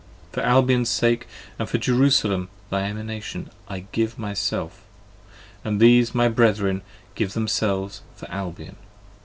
For Albion's sake, and for Jerusalem thy Emanation I give myself, and these my brethren give themselves for Albion.